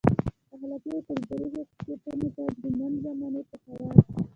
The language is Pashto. اخلاقي او کلتوري حقیقتونو ته د نن زمانې په خیاط.